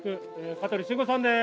香取慎吾さんです！